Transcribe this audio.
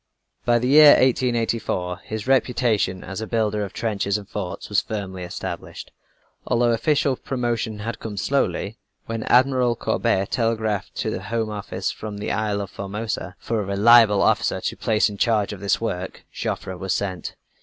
By the year 1884, his reputation as a builder of trenches and forts was firmly established, although official promotion had come slowly. When Admiral Courbet telegraphed to the Home Office from the Isle of Formosa for a reliable officer to place in charge of this work, Joffre was sent.